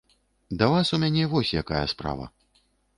Да вас у мяне вось якая справа.